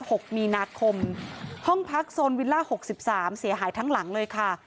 หกมีนาคมห้องพักโซนวิลล่าหกสิบสามเสียหายทั้งหลังเลยค่ะ